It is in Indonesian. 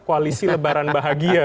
koalisi lebaran bahagia